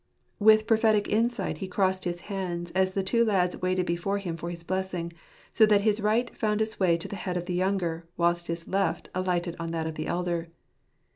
With prophetic insight he crossed his hands, as the two lads waited before him for his blessing, so that his right found its way to the head of the younger, whilst his left alighted on that of the elder.